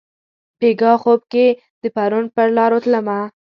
بیګاه خوب کښي د پرون پرلارو تلمه